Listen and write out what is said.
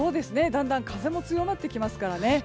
だんだん風も強まってきますからね。